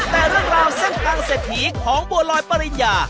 แต่เรื่องราวเส้นทางเศรษฐีของบัวลอยปริญญา